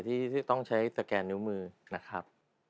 ที่ต้องใช้สแกนนิ้วมือนะครับ